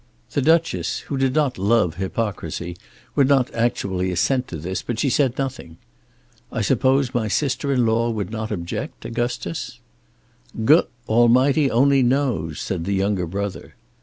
The Duchess, who did not love hypocrisy, would not actually assent to this, but she said nothing. "I suppose my sister in law would not object, Augustus?" "G Almighty only knows," said the younger brother.